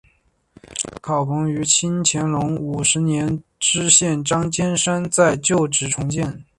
玉山考棚于清乾隆五十七年知县张兼山在旧址重建。